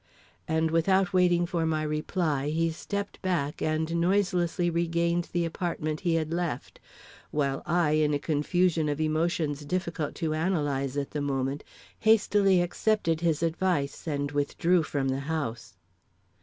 And without waiting for my reply, he stepped back and noiselessly regained the apartment he had left, while I, in a confusion of emotions difficult to analyze at the moment, hastily accepted his advice, and withdrew from the house.